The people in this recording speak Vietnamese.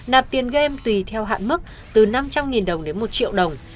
nạp tiền game tùy theo hạn mức từ năm trăm linh đồng đến một triệu đồng